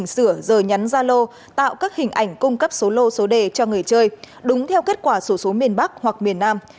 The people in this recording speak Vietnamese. sửa giờ nhắn gia lô tạo các hình ảnh cung cấp số lô số đề cho người chơi đúng theo kết quả số số miền bắc hoặc miền nam